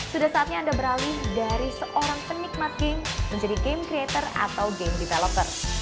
sudah saatnya anda beralih dari seorang penikmat game menjadi game creator atau game developer